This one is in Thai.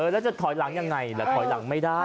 แล้วจะถอยหลังยังไงล่ะถอยหลังไม่ได้